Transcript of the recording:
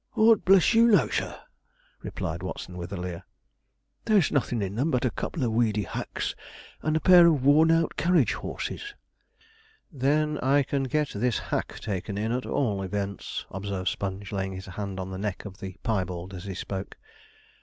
''Ord bless you, no, sir,' replied Watson with a leer; 'there's nothin' in them but a couple of weedy hacks and a pair of old worn out carriage horses.' 'Then I can get this hack taken in, at all events,' observed Sponge, laying his hand on the neck of the piebald as he spoke.